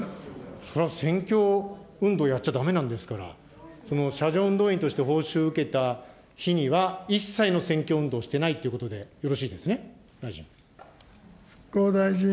それは選挙運動やっちゃだめなんですから、その車上運動員として報酬受けた日には、一切の選挙運動をしてないということでよろしいですね、大臣。